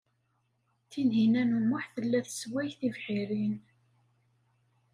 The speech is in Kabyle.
Tinhinan u Muḥ tella tessway tibḥirt.